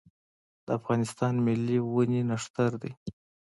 د افغانستان ملي ونې نښتر دی